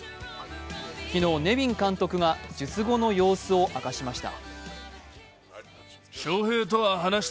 昨日、ネビン監督が術後の様子を明かしました。